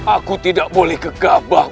aku tidak boleh kegabah